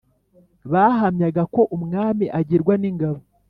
bahamyaga ko "umwami agirwa n'ingabo".